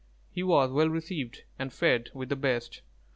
He was well received, and fed with the best.